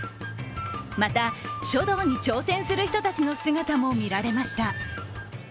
また書道に挑戦する人たちの姿も見られました。